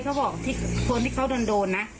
เขาบอกที่คนที่เขาโดนนะ